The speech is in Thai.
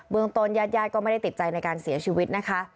เบื้องตนแยดก็ไม่ได้ติดใจในการเสียชีวิตนะคะ